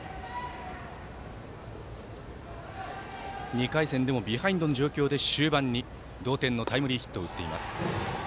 ２回戦でもビハインドの状況で終盤に同点のタイムリーヒットを打っています。